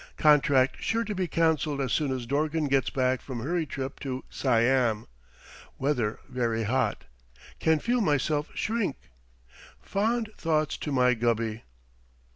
Contract sure to be canceled as soon as Dorgan gets back from hurried trip to Siam. Weather very hot. Can feel myself shrink. Fond thoughts to my Gubby.